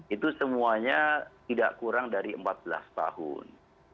itu semuanya tidak kurang dari empat belas tahun